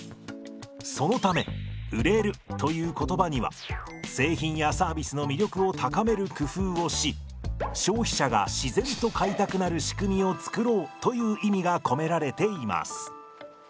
そのため「売れる」という言葉には製品やサービスの魅力を高める工夫をし消費者が自然と買いたくなる仕組みを作ろうという意味が込められています。